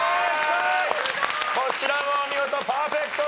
こちらもお見事パーフェクト達成！